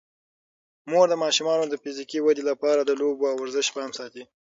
مور د ماشومانو د فزیکي ودې لپاره د لوبو او ورزش پام ساتي.